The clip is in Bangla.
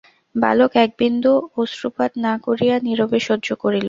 বালক একবিন্দু অশ্রুপাত না করিয়া নীরবে সহ্য করিল।